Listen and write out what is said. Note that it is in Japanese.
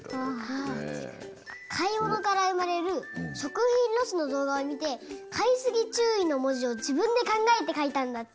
かいものからうまれるしょくひんロスのどうがをみて「かいすぎちゅうい」のもじをじぶんでかんがえてかいたんだって。